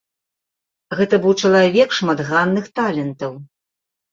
Гэта быў чалавек шматгранных талентаў.